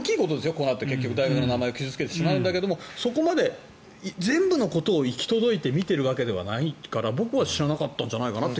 これって大学の名前を傷付けてしまうんですけどそこまで全部のことを行き届いて見てるわけじゃないから僕は知らなかったんじゃないかなと。